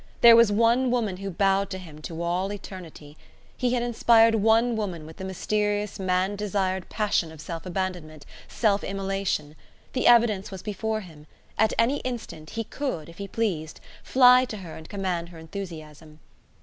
There was one woman who bowed to him to all eternity! He had inspired one woman with the mysterious, man desired passion of self abandonment, self immolation! The evidence was before him. At any instant he could, if he pleased, fly to her and command her enthusiasm.